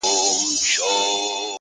چي وائې ورې وې وايه، چي وې وينې مې وايه.